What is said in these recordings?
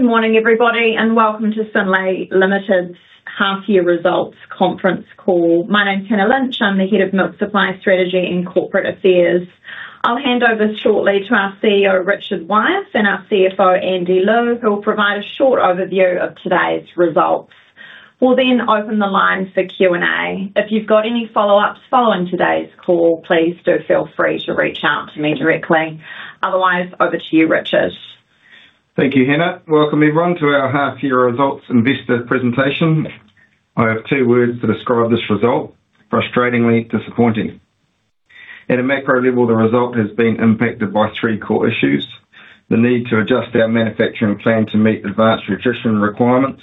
Good morning, everybody, and welcome to Synlait Limited's Half Year Results Conference Call. My name is Hannah Lynch. I'm the Head of Milk Supply Strategy and Corporate Affairs. I'll hand over shortly to our CEO, Richard Wyeth, and our CFO, Andy Liu, who will provide a short overview of today's results. We'll then open the line for Q&A. If you've got any follow-ups following today's call, please do feel free to reach out to me directly. Otherwise, over to you, Richard. Thank you, Hannah. Welcome everyone to our half year results investor presentation. I have two words to describe this result, frustratingly disappointing. At a macro level, the result has been impacted by three core issues, the need to adjust our manufacturing plan to meet Advanced Nutrition requirements,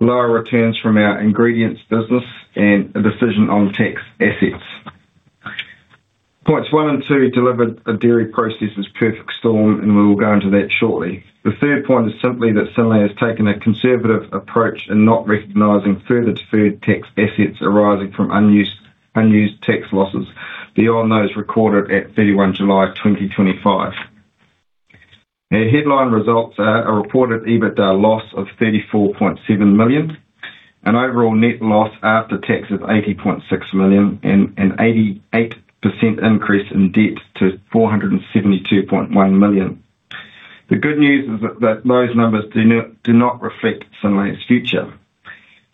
lower returns from our Ingredients business, and a decision on tax assets. Points one and two delivered a dairy processor's perfect storm, and we will go into that shortly. The third point is simply that Synlait has taken a conservative approach in not recognizing further deferred tax assets arising from unused tax losses beyond those recorded at 31 July 2025. Our headline results are a reported EBITDA loss of 34.7 million, an overall net loss after tax of 80.6 million, and an 88% increase in debt to 472.1 million. The good news is that those numbers do not reflect Synlait's future.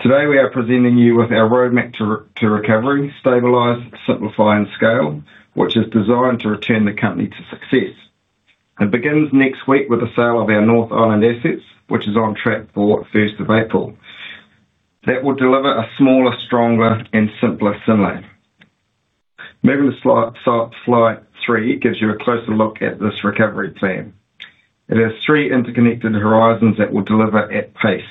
Today, we are presenting you with our roadmap to recovery, Stabilise, Simplify, and Scale, which is designed to return the company to success. It begins next week with the sale of our North Island assets, which is on track for 1 April. That will deliver a smaller, stronger and simpler Synlait. Moving to slide three gives you a closer look at this recovery plan. It has three interconnected horizons that will deliver at pace.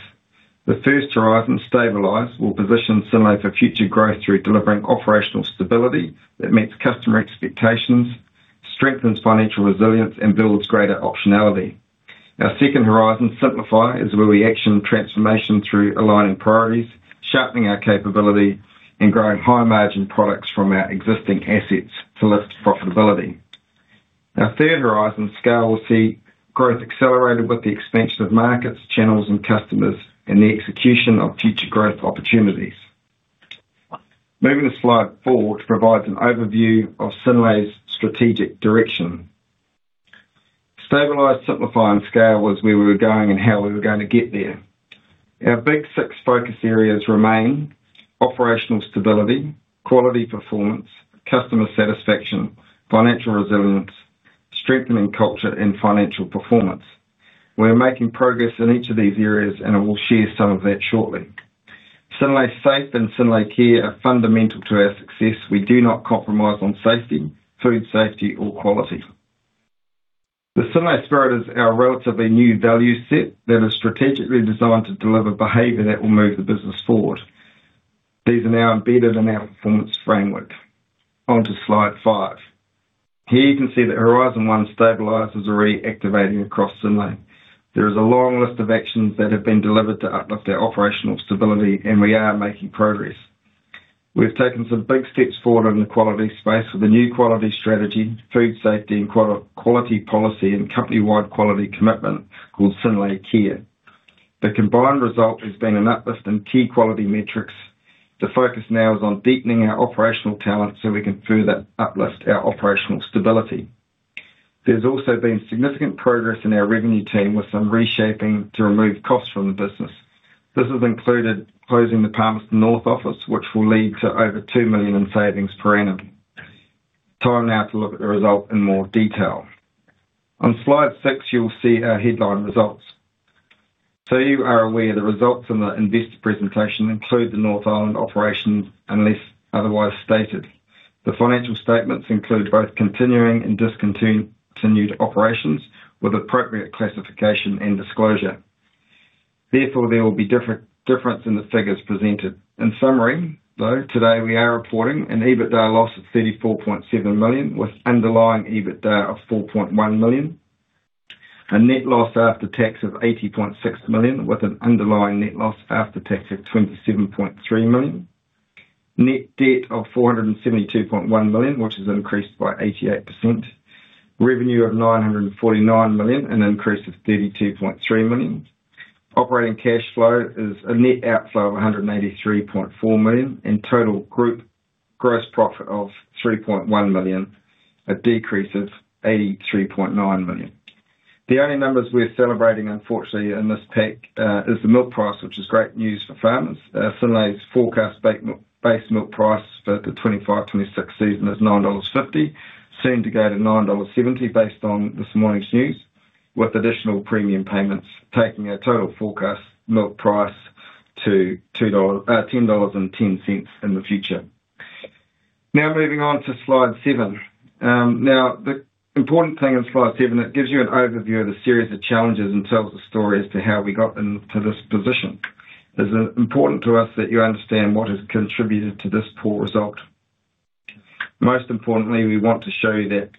The first horizon, Stabilise, will position Synlait for future growth through delivering operational stability that meets customer expectations, strengthens financial resilience, and builds greater optionality. Our second horizon, simplify, is where we action transformation through aligning priorities, sharpening our capability, and growing high-margin products from our existing assets to lift profitability. Our third horizon, scale, will see growth accelerated with the expansion of markets, channels, and customers and the execution of future growth opportunities. Moving to slide four, which provides an overview of Synlait's strategic direction. Stabilise, Simplify, and Scale was where we were going and how we were going to get there. Our Big 6 focus areas remain operational stability, quality performance, customer satisfaction, financial resilience, strengthening culture, and financial performance. We are making progress in each of these areas, and I will share some of that shortly. Synlait Safe and Synlait Care are fundamental to our success. We do not compromise on safety, food safety or quality. The Synlait Spirit is our relatively new value set that is strategically designed to deliver behavior that will move the business forward. These are now embedded in our performance framework. Onto slide five. Here you can see that horizon one stability is reactivating across Synlait. There is a long list of actions that have been delivered to uplift our operational stability, and we are making progress. We've taken some big steps forward in the quality space with a new quality strategy, food safety and quality policy, and company-wide quality commitment called Synlait Care. The combined result has been an uplift in key quality metrics. The focus now is on deepening our operational talent so we can further uplift our operational stability. There's also been significant progress in our revenue team with some reshaping to remove costs from the business. This has included closing the Palmerston North office, which will lead to over 2 million in savings per annum. Time now to look at the result in more detail. On slide six, you'll see our headline results. You are aware the results in the investor presentation include the North Island operations, unless otherwise stated. The financial statements include both continuing and discontinued operations with appropriate classification and disclosure. Therefore, there will be difference in the figures presented. In summary, though, today we are reporting an EBITDA loss of 34.7 million, with underlying EBITDA of 4.1 million. A net loss after tax of 80.6 million, with an underlying net loss after tax of 27.3 million. Net debt of 472.1 million, which has increased by 88%. Revenue of 949 million, an increase of 32.3 million. Operating cash flow is a net outflow of 183.4 million, and total group gross profit of 3.1 million, a decrease of 83.9 million. The only numbers we're celebrating, unfortunately, in this pack, is the milk price, which is great news for farmers. Synlait's forecast base milk price for the 2025, 2026 season is 9.50 dollars, soon to go to 9.70 dollars based on this morning's news, with additional premium payments taking a total forecast milk price to 10.10 dollars in the future. Now, moving on to slide seven. The important thing in slide seven, it gives you an overview of the series of challenges and tells a story as to how we got into this position. It's important to us that you understand what has contributed to this poor result. Most importantly, we want to show you that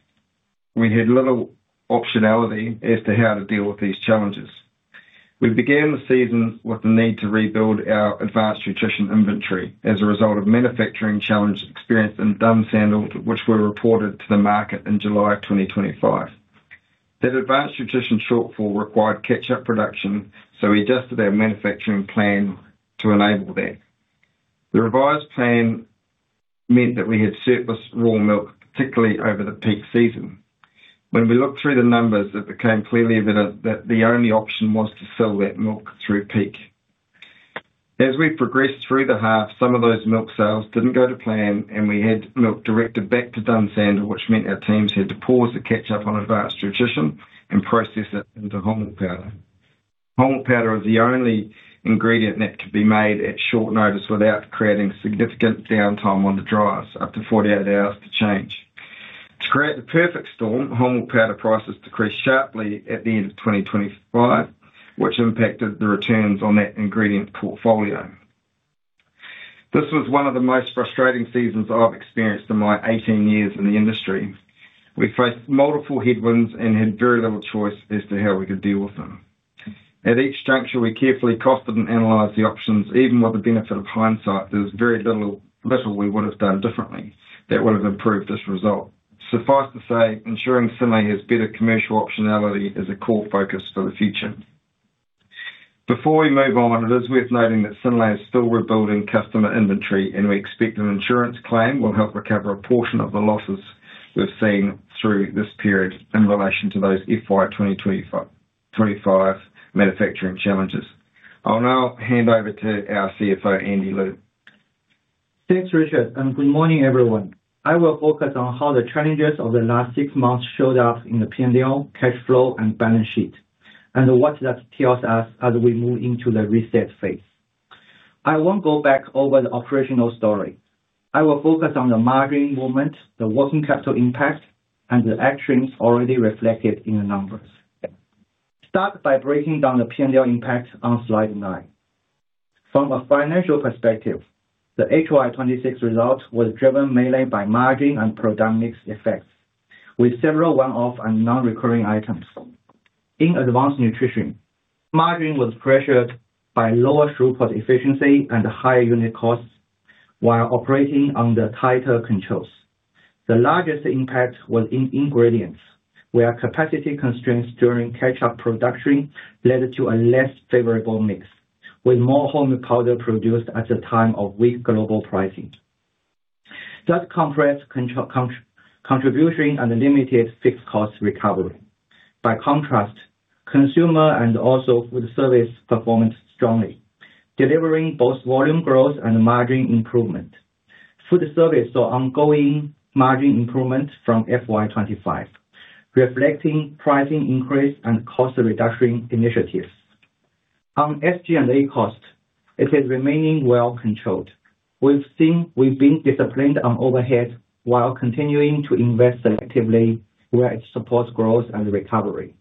we had little optionality as to how to deal with these challenges. We began the season with the need to rebuild our advanced nutrition inventory as a result of manufacturing challenge experienced in Dunsandel, which were reported to the market in July 2025. That advanced nutrition shortfall required catch-up production, so we adjusted our manufacturing plan to enable that. The revised plan meant that we had surplus raw milk, particularly over the peak season. When we looked through the numbers, it became clearly evident that the only option was to sell that milk through peak. As we progressed through the half, some of those milk sales didn't go to plan, and we had milk directed back to Dunsandel, which meant our teams had to pause to catch up on advanced nutrition and process it into whole milk powder. Whole milk powder is the only ingredient that could be made at short notice without creating significant downtime on the dryers, up to 48 hours to change. To create the perfect storm, whole milk powder prices decreased sharply at the end of 2025, which impacted the returns on that Ingredient portfolio. This was one of the most frustrating seasons I've experienced in my 18 years in the industry. We faced multiple headwinds and had very little choice as to how we could deal with them. At each juncture, we carefully costed and analyzed the options. Even with the benefit of hindsight, there's very little we would have done differently that would have improved this result. Suffice to say, ensuring Synlait has better commercial optionality is a core focus for the future. Before we move on, it is worth noting that Synlait is still rebuilding customer inventory, and we expect an insurance claim will help recover a portion of the losses we've seen through this period in relation to those FY 2025 manufacturing challenges. I'll now hand over to our CFO, Andy Liu. Thanks, Richard, and good morning, everyone. I will focus on how the challenges of the last six months showed up in the P&L, cash flow, and balance sheet and what that tells us as we move into the reset phase. I won't go back over the operational story. I will focus on the margin movement, the working capital impact, and the actions already reflected in the numbers. Start by breaking down the P&L impact on slide nine. From a financial perspective, the HY 2026 results was driven mainly by margin and product mix effects, with several one-off and non-recurring items. In advanced nutrition, margin was pressured by lower throughput efficiency and higher unit costs while operating under tighter controls. The largest impact was in Ingredients, where capacity constraints during catch-up production led to a less favorable mix, with more whole milk powder produced at the time of weak global pricing. That compressed contribution and limited fixed cost recovery. By contrast, consumer and also food service performed strongly, delivering both volume growth and margin improvement. Food service saw ongoing margin improvement from FY 2025, reflecting pricing increase and cost reduction initiatives. On SG&A costs, it is remaining well controlled. We've been disciplined on overhead while continuing to invest selectively where it supports growth and recovery.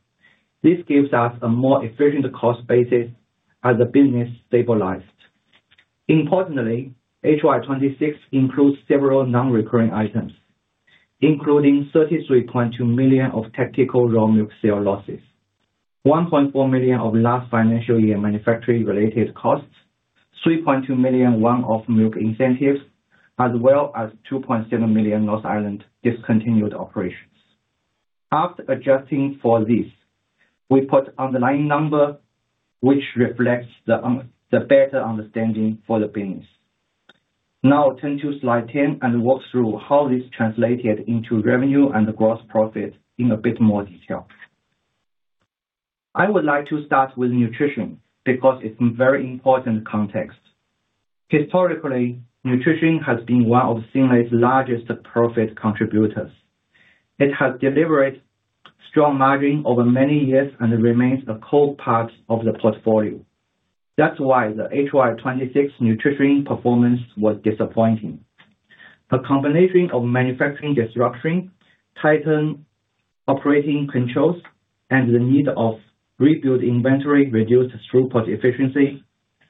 This gives us a more efficient cost basis as the business Stabilise, Simplify, and Scaled. Importantly, HY 2026 includes several non-recurring items, including 33.2 million of tactical raw milk sale losses, 1.4 million of last financial year manufacturing-related costs, 3.2 million one-off milk incentives, as well as 2.7 million North Island discontinued operations. After adjusting for this, we put underlying number which reflects the better understanding for the business. Now turn to slide 10 and walk through how this translated into revenue and gross profit in a bit more detail. I would like to start with Nutrition because it's very important context. Historically, Nutrition has been one of Synlait's largest profit contributors. It has delivered strong margin over many years and remains a core part of the portfolio. That's why the HY 2026 Nutrition performance was disappointing. A combination of manufacturing disruption, tightened operating controls, and the need of rebuild inventory reduced throughput efficiency,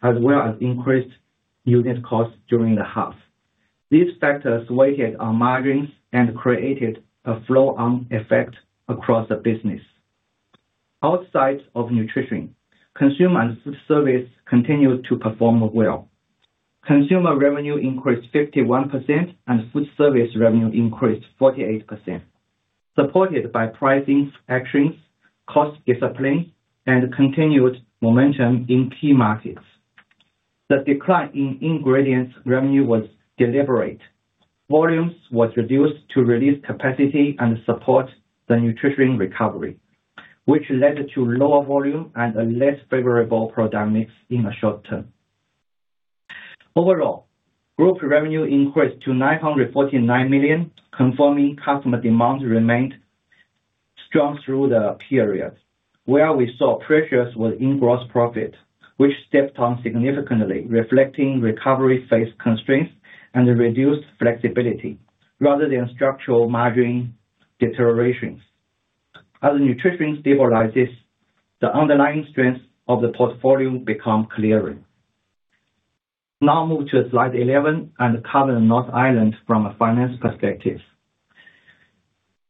as well as increased unit costs during the half. These factors weighted on margins and created a flow-on effect across the business. Outside of Nutrition, Consumer and Foodservice continued to perform well. Consumer revenue increased 51% and food service revenue increased 48%, supported by pricing actions, cost discipline, and continued momentum in key markets. The decline in Ingredients revenue was deliberate. Volumes was reduced to release capacity and support the Nutrition recovery, which led to lower volume and a less favorable product mix in the short term. Overall, group revenue increased to 949 million, confirming customer demand remained strong through the period. Where we saw pressures was in gross profit, which stepped down significantly, reflecting recovery phase constraints and reduced flexibility rather than structural margin deteriorations. As nutrition stabilizes, the underlying strengths of the portfolio become clearer. Now move to slide 11 and cover North Island from a finance perspective.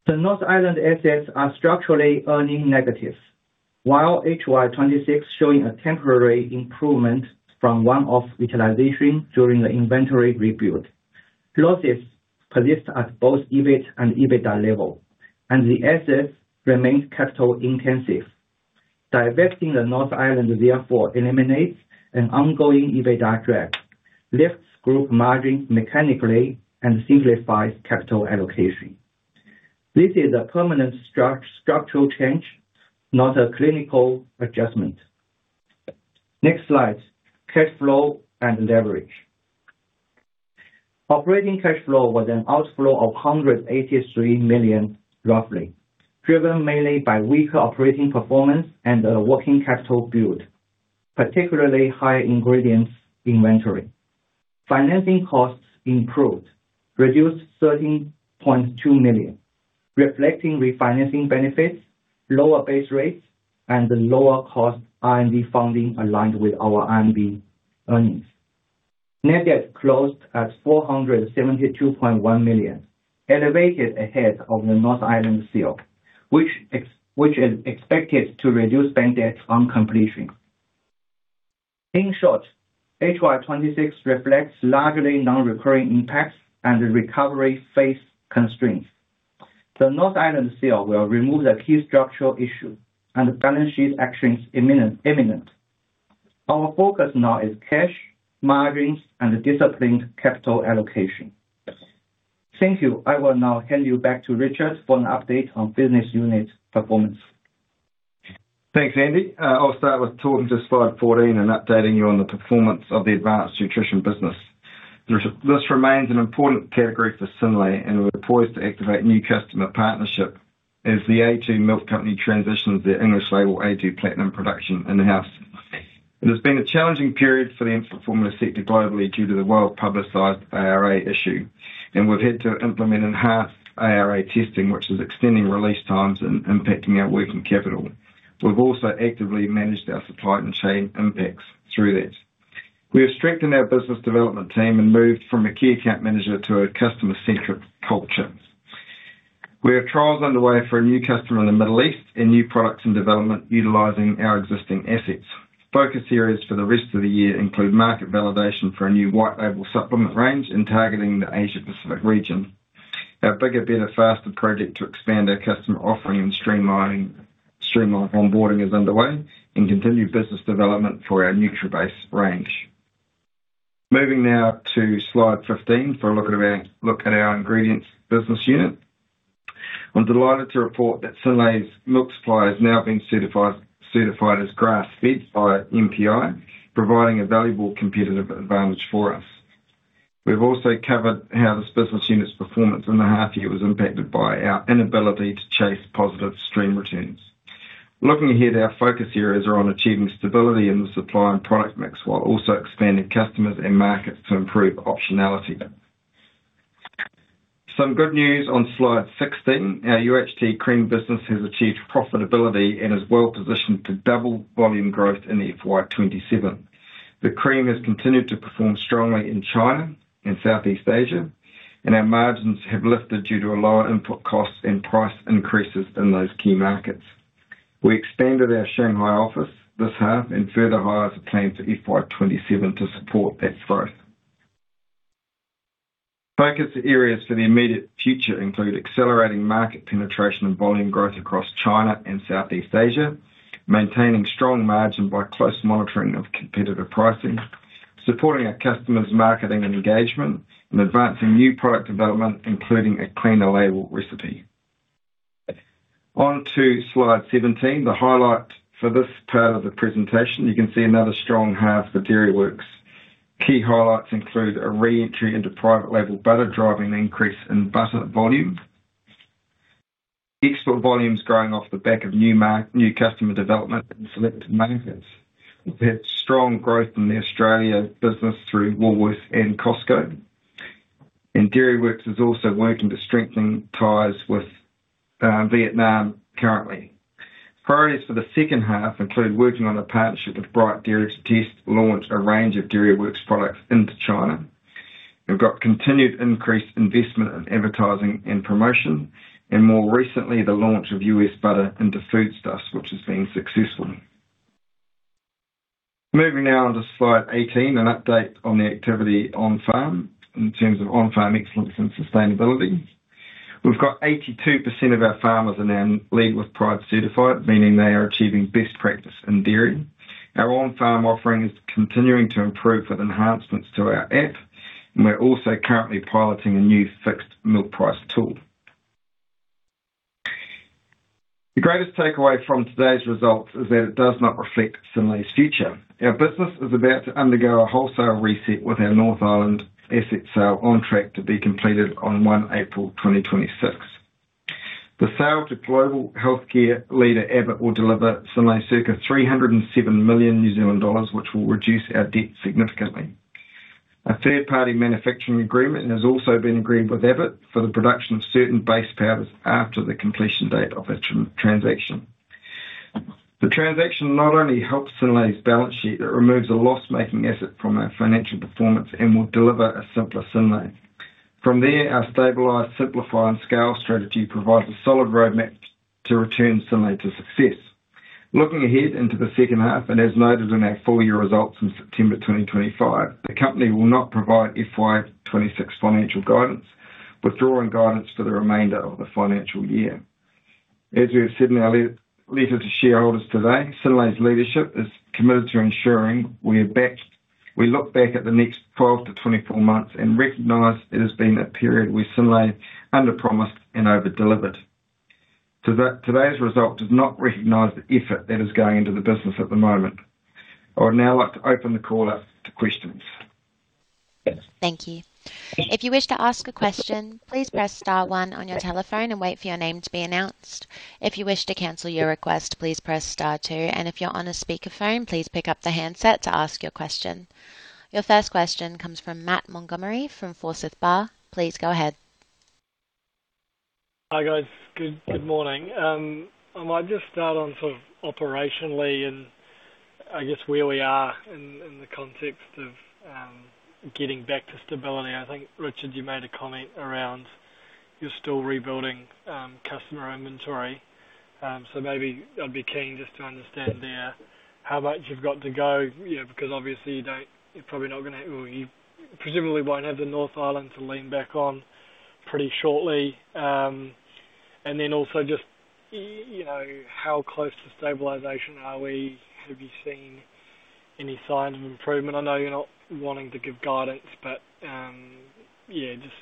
The North Island assets are structurally earning negative. While HY 2026 showing a temporary improvement from one-off utilization during the inventory rebuild, losses persist at both EBIT and EBITDA level, and the asset remains capital intensive. Divesting the North Island therefore eliminates an ongoing EBITDA drag, lifts group margin mechanically, and simplifies capital allocation. This is a permanent structural change, not a clinical adjustment. Next slide. Cash flow and leverage. Operating cash flow was an outflow of 183 million, roughly, driven mainly by weaker operating performance and a working capital build, particularly high ingredients inventory. Financing costs improved, reduced 13.2 million, reflecting refinancing benefits, lower base rates, and lower cost R&D funding aligned with our R&D earnings. Net debt closed at 472.1 million, elevated ahead of the North Island sale, which is expected to reduce bank debt on completion. In short, HY 2026 reflects largely non-recurring impacts and the recovery phase constraints. The North Island sale will remove the key structural issue and the balance sheet actions imminent. Our focus now is cash, margins, and disciplined capital allocation. Thank you. I will now hand you back to Richard for an update on business unit performance. Thanks, Andy. I'll start with talking to slide 14 and updating you on the performance of the advanced nutrition business. This remains an important category for Synlait, and we're poised to activate new customer partnership as The a2 Milk Company transitions their English-label a2 Platinum production in-house. It has been a challenging period for the infant formula sector globally due to the well-publicized ARA issue. We've had to implement enhanced ARA testing, which is extending release times and impacting our working capital. We've also actively managed our supply chain impacts through that. We have strengthened our business development team and moved from a key account manager to a customer-centric culture. We have trials underway for a new customer in the Middle East and new products in development utilizing our existing assets. Focus areas for the rest of the year include market validation for a new white label supplement range and targeting the Asia-Pacific region. Our Bigger, Better, Faster project to expand our customer offering and streamline onboarding is underway and continued business development for our Nutrabase range. Moving now to slide 15 for a look at our ingredients business unit. I'm delighted to report that Synlait's milk supply has now been certified as grass-fed by MPI, providing a valuable competitive advantage for us. We've also covered how this business unit's performance in the half year was impacted by our inability to chase positive stream returns. Looking ahead, our focus areas are on achieving stability in the supply and product mix, while also expanding customers and markets to improve optionality. Some good news on slide 16. Our UHT cream business has achieved profitability and is well-positioned to double volume growth in FY 2027. The cream has continued to perform strongly in China and Southeast Asia, and our margins have lifted due to a lower input cost and price increases in those key markets. We expanded our Shanghai office this half and further hires are planned for FY 2027 to support that growth. Focus areas for the immediate future include accelerating market penetration and volume growth across China and Southeast Asia, maintaining strong margin by close monitoring of competitive pricing, supporting our customers' marketing and engagement, and advancing new product development, including a cleaner label recipe. On to slide 17, the highlight for this part of the presentation. You can see another strong half for Dairyworks. Key highlights include a re-entry into private label butter, driving an increase in butter volume. Export volume is growing off the back of new customer development in selected markets. We've had strong growth in the Australia business through Woolworths and Costco. Dairyworks is also working to strengthen ties with Vietnam currently. Priorities for the second half include working on a partnership with Bright Dairy to test launch a range of Dairyworks products into China. We've got continued increased investment in advertising and promotion, and more recently, the launch of U.S. butter into Foodstuffs, which has been successful. Moving now on to slide 18, an update on the activity on farm, in terms of on-farm excellence and sustainability. We've got 82% of our farmers are now Lead With Pride certified, meaning they are achieving best practice in dairy. Our on-farm offering is continuing to improve with enhancements to our app, and we're also currently piloting a new fixed milk price tool. The greatest takeaway from today's results is that it does not reflect Synlait's future. Our business is about to undergo a wholesale reset with our North Island asset sale on track to be completed on 1 April 2026. The sale to global healthcare leader Abbott will deliver Synlait circa 307 million New Zealand dollars, which will reduce our debt significantly. A third-party manufacturing agreement has also been agreed with Abbott for the production of certain base powders after the completion date of the transaction. The transaction not only helps Synlait's balance sheet, it removes a loss-making asset from our financial performance and will deliver a simpler Synlait. From there, our Stabilise, Simplify, and Scale strategy provides a solid roadmap to return Synlait to success. Looking ahead into the second half, as noted in our full-year results in September 2025, the company will not provide FY 2026 financial guidance. Withdrawing guidance for the remainder of the financial year. As we have said in our letter to shareholders today, Synlait's leadership is committed to ensuring we are back. We look back at the next 12 to 24 months and recognize it has been a period where Synlait underpromised and over-delivered. Today's result does not recognize the effort that is going into the business at the moment. I would now like to open the call up to questions. Thank you. If you wish to ask a question, please press star one on your telephone and wait for your name to be announced. If you wish to cancel your request, please press star two. If you're on a speaker phone, please pick up the handset to ask your question. Your first question comes from Matt Montgomerie from Forsyth Barr. Please go ahead. Hi, guys. Good morning. I might just start on sort of operationally and I guess where we are in the context of getting back to stability. I think, Richard, you made a comment around that you're still rebuilding customer inventory. So maybe I'd be keen just to understand there how much you've got to go. You know, because obviously you don't. Well, you presumably won't have the North Island to lean back on pretty shortly. You know, how close to stabilization are we? Have you seen any signs of improvement? I know you're not wanting to give guidance, but yeah, just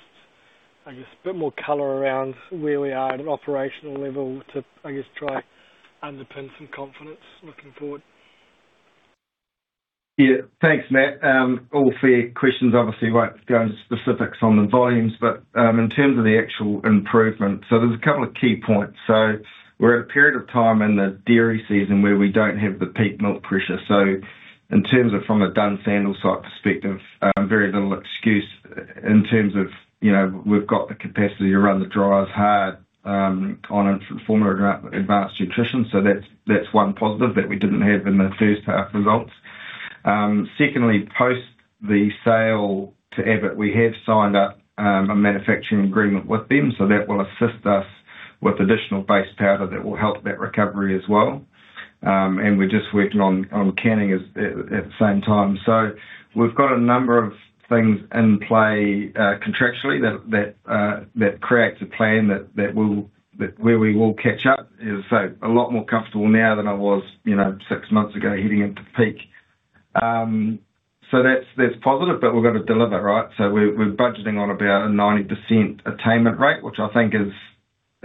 I guess a bit more color around where we are at an operational level to I guess try to underpin some confidence looking forward. Yeah. Thanks, Matt. All fair questions. Obviously, won't go into specifics on the volumes, but in terms of the actual improvement. There's a couple of key points. We're at a period of time in the dairy season where we don't have the peak milk pressure. In terms of from a Dunsandel site perspective, very little excuse in terms of, you know, we've got the capacity to run the dryers hard, on infant formula advanced nutrition. That's one positive that we didn't have in the first half results. Secondly, post the sale to Abbott, we have signed up a manufacturing agreement with them, that will assist us with additional base powder that will help that recovery as well. We're just working on canning at the same time. We've got a number of things in play contractually that creates a plan where we will catch up. As I said, a lot more comfortable now than I was, you know, six months ago heading into peak. That's positive. We've got to deliver, right? We're budgeting on about a 90% attainment rate, which I think is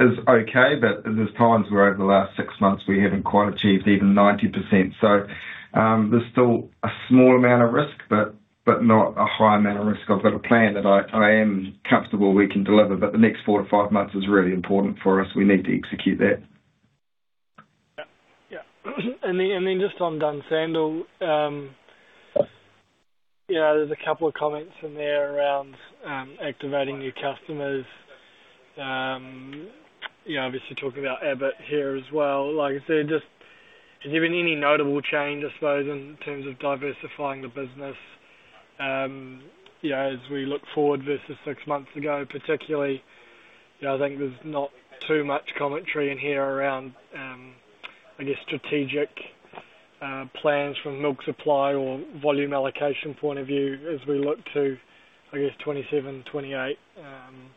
okay. There's times where over the last six months we haven't quite achieved even 90%. There's still a small amount of risk, but not a high amount of risk. I've got a plan that I am comfortable we can deliver, but the next four to five months is really important for us. We need to execute that. Yeah. Just on Dunsandel, yeah, there's a couple of comments in there around activating new customers. Yeah, obviously talking about Abbott here as well. Like I said, just, has there been any notable change, I suppose, in terms of diversifying the business, you know, as we look forward versus six months ago? Particularly, you know, I think there's not too much commentary in here around, I guess, strategic plans from milk supply or volume allocation point of view as we look to, I guess, 2027, 2028, and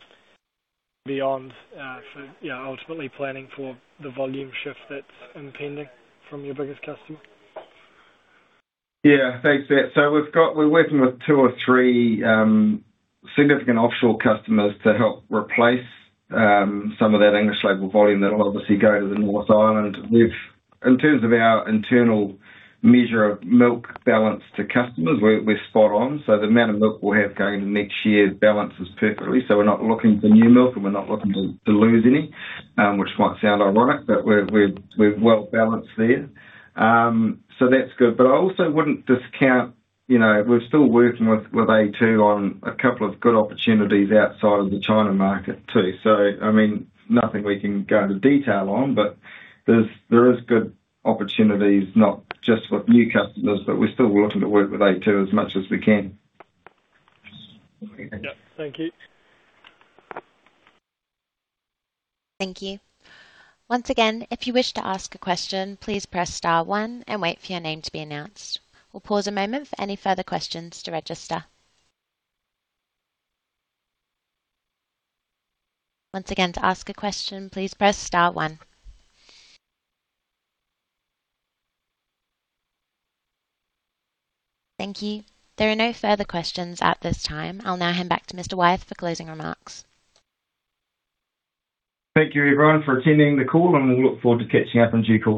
beyond. Yeah, ultimately planning for the volume shift that's impending from your biggest customer. Yeah. Thanks for that. We're working with two or three significant offshore customers to help replace some of that English-label volume that will obviously go to the North Island. We've in terms of our internal measure of milk balance to customers, we're spot on. The amount of milk we'll have going into next year balances perfectly. We're not looking for new milk and we're not looking to lose any, which might sound ironic, but we're well balanced there. That's good. But I also wouldn't discount, you know, we're still working with a2 on a couple of good opportunities outside of the China market too. I mean, nothing we can go into detail on, but there is good opportunities not just with new customers, but we're still looking to work with a2 as much as we can. Yeah. Thank you. Thank you. Once again, if you wish to ask a question, please press star one and wait for your name to be announced. We'll pause a moment for any further questions to register. Once again, to ask a question, please press star one. Thank you. There are no further questions at this time. I'll now hand back to Mr. Wyeth for closing remarks. Thank you, everyone, for attending the call, and we look forward to catching up in due course.